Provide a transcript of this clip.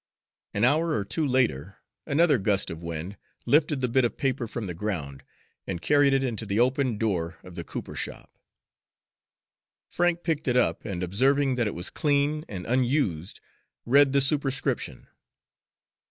An hour or two later another gust of wind lifted the bit of paper from the ground and carried it into the open door of the cooper shop. Frank picked it up, and observing that it was clean and unused, read the superscription.